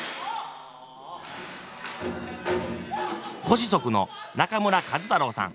ご子息の中村壱太郎さん。